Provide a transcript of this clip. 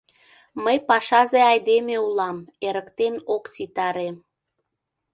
Мый пашазе айдеме улам, эрыктен ок ситаре.